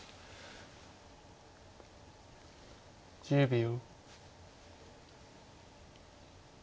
１０秒。